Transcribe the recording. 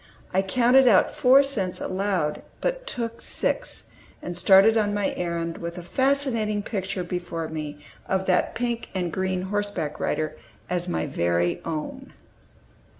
I counted out four cents aloud, but took six, and started on my errand with a fascinating picture before me of that pink and green horseback rider as my very own.